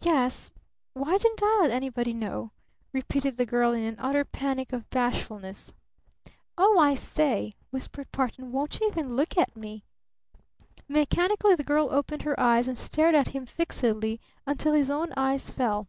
"Yes why didn't I let anybody know?" repeated the girl in an utter panic of bashfulness. "Oh, I say," whispered Barton, "won't you even look at me?" Mechanically the girl opened her eyes and stared at him fixedly until his own eyes fell.